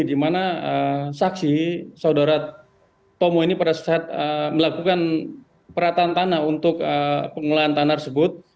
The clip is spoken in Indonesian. di mana saksi saudara tomo ini pada saat melakukan perataan tanah untuk pengelolaan tanah tersebut